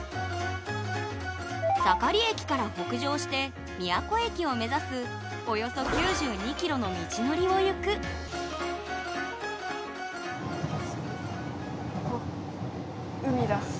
盛駅から北上して宮古駅を目指すおよそ９２ｋｍの道のりをゆく海。